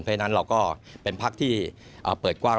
เพราะฉะนั้นเราก็เป็นพักที่เปิดกว้าง